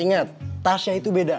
ingat tasya itu beda